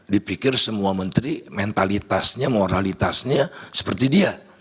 dipikir semua menteri mentalitasnya moralitasnya seperti dia